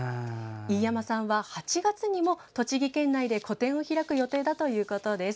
飯山さんは、８月にも栃木県内で個展を開く予定だということです。